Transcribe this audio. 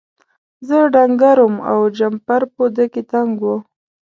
زه ډنګر وم او جمپر په ده کې تنګ و.